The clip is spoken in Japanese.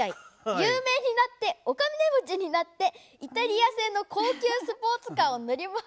有名になってお金持ちになってイタリア製の高級スポーツカーを乗り回したい！」と。